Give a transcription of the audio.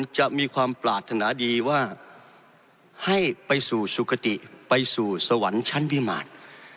จะมีความปรารถนาดีว่าให้ไปสู่สุขติไปสู่สวรรค์ชั้นพิมาตร